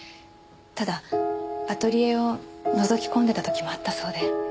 ただアトリエをのぞき込んでた時もあったそうで。